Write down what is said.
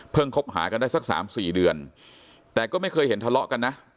คบหากันได้สักสามสี่เดือนแต่ก็ไม่เคยเห็นทะเลาะกันนะ